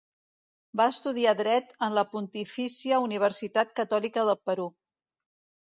Va estudiar Dret en la Pontifícia Universitat Catòlica del Perú.